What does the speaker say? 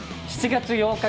７月８日